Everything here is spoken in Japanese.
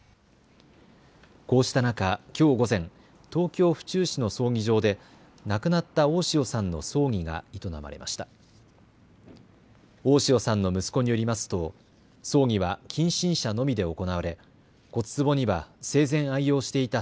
こうした中、きょう午前、東京府中市の葬儀場で亡くなった大塩さんの葬儀が営まれました。